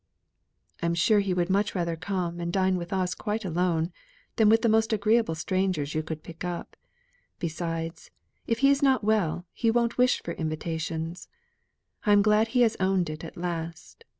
"I'm sure he would much rather come and dine with us quite alone than with the most agreeable strangers you could pick up. Besides, if he is not well he won't wish for invitations. I am glad he has owned it at last.